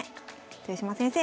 豊島先生